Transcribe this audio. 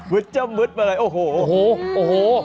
มึดจะมึดไปเลยโอ้โฮโอ้โฮโอ้โฮ